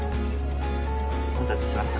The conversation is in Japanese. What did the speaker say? お待たせしました。